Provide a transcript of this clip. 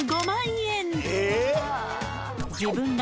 ５万円